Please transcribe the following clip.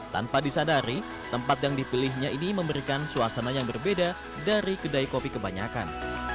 tanpa disadari tempat yang dipilihnya ini memberikan suasana yang berbeda dari kedai kopi kebanyakan